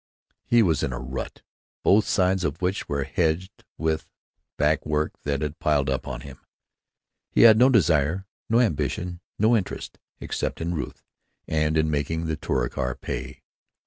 He was in a rut, both sides of which were hedged with "back work that had piled up on him." He had no desire, no ambition, no interest, except in Ruth and in making the Touricar pay.